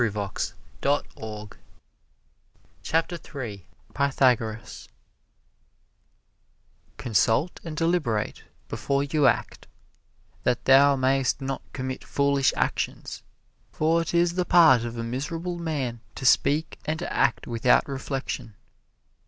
[Illustration: PYTHAGORAS] PYTHAGORAS Consult and deliberate before you act, that thou mayest not commit foolish actions. For 't is the part of a miserable man to speak and to act without reflection.